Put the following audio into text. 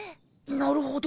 なるほど。